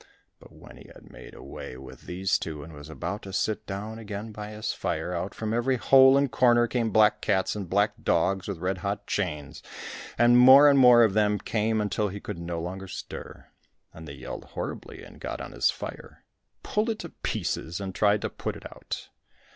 But when he had made away with these two, and was about to sit down again by his fire, out from every hole and corner came black cats and black dogs with red hot chains, and more and more of them came until he could no longer stir, and they yelled horribly, and got on his fire, pulled it to pieces, and tried to put it out.